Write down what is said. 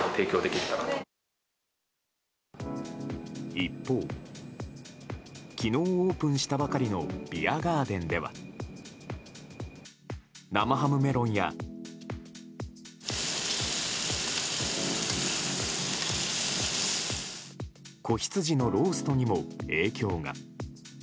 一方昨日オープンしたばかりのビアガーデンでは生ハムメロンや子羊のローストにも影響が。